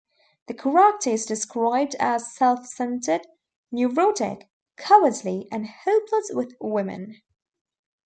The character is described as self-centred, neurotic, cowardly and hopeless with women.